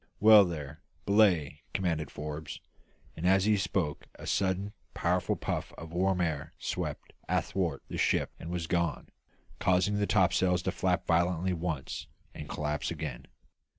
"Well there, belay!" commanded Forbes. And as he spoke a sudden, powerful puff of warm air swept athwart the ship and was gone, causing the topsails to flap violently once, and collapse again.